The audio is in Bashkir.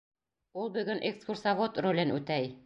Ул бөгөн экскурсовод ролен үтәй.